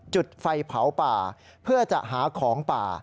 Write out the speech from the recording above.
จุดไฟเผาป่าเพื่อจะหาของป่า